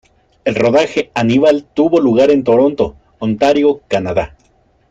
El rodaje "Hannibal" tuvo lugar en Toronto, Ontario, Canadá.